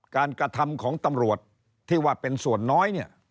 กระทำของตำรวจที่ว่าเป็นส่วนน้อยเนี่ย